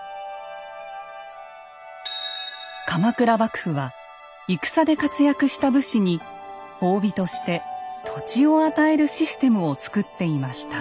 鎌倉幕府は戦で活躍した武士に褒美として土地を与えるシステムをつくっていました。